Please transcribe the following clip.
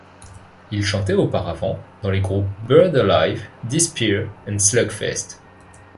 Il chantait auparavant dans les groupes Buried Alive, Despair et Slugfest.